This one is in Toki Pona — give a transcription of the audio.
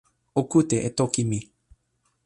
o kute e toki mi.